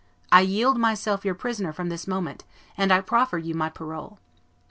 I yield myself your prisoner from this moment, and I proffer you my parole.